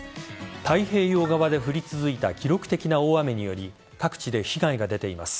太平洋側で降り続いた記録的な大雨により各地で被害が出ています。